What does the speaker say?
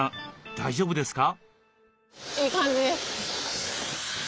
大丈夫ですか？